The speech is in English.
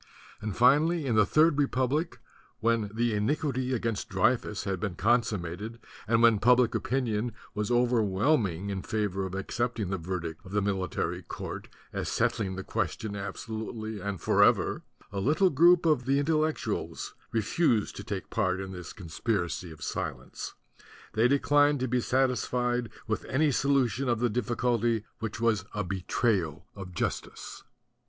And finally in the Third Re public, when the iniquity against Dreyfus had been consummated and when public opinion was overwhelming in favor of accepting the verdict of the military court as settling the question absolutely and forever, a little group of the Intellectuals refused to take part in this conspiracy of silence. They declined to be satis fied with any solution of the difficulty which 32 THE DUTY OF THE INTELLECTUALS was a betrayal of justice.